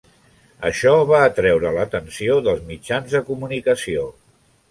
Això va atreure l'atenció dels mitjans de comunicació.